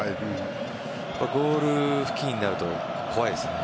ゴール付近になると怖いですね。